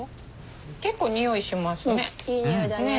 結構匂いしますね。